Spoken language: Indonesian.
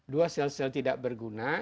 dua sel sel tidak berguna